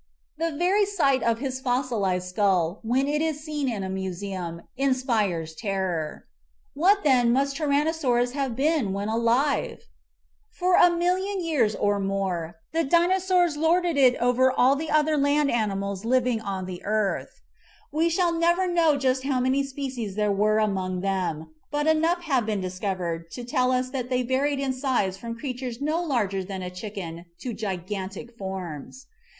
The very sight of his fossilized skull when it is seen in a museum inspires terror. What, then, must Tyrannosaurus have been when alive ! For a million years or more the Dinosaurs lorded it over all the other land animals living on the earth. We shall never know just how many species there were among them, but enough have been discovered to tell us that they varied in size from creatures no larger than a chicken to gigantic forms.